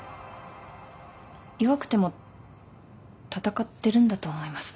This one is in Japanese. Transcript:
弱くても戦ってるんだと思います。